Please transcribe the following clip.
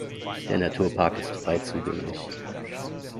Der Naturpark ist frei zugänglich.